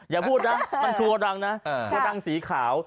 อย่าพูดนะอย่าพูดนะมันคือโกดังนะโกดังสีขาว